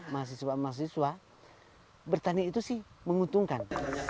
mahasiswa mahasiswa bertani itu sih menguntungkan